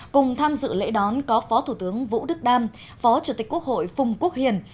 cùng tham dự lễ đón có phó thủ tướng vũ đức đam phó chủ tịch quốc hội phung quốc hiền